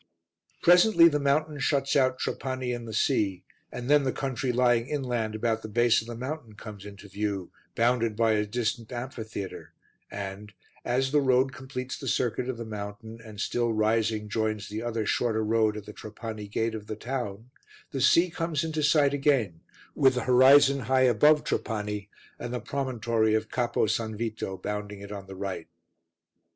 Presently the mountain shuts out Trapani and the sea, and then the country lying inland about the base of the mountain comes into view bounded by a distant amphitheatre and, as the road completes the circuit of the mountain, and still rising joins the other shorter road at the Trapani gate of the town, the sea comes into sight again, with the horizon high above Trapani and the promontory of Capo S. Vito bounding it on the right.